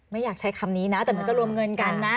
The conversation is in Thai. ไม่อยากใช้คำนี้นะแต่มันก็รวมเงินกันนะ